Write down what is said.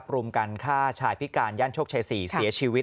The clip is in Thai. รุมกันฆ่าชายพิการย่านโชคชัย๔เสียชีวิต